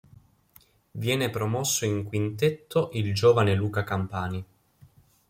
Viene promosso in quintetto il giovane Luca Campani.